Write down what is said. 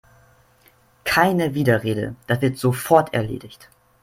Keine Widerrede, das wird sofort erledigt!